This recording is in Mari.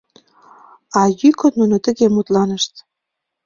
А йӱкын нуно тыге мутланышт: